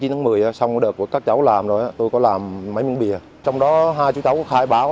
chín tháng một mươi xong đợt của các cháu làm rồi tôi có làm mấy miếng bìa trong đó hai chú cháu khai báo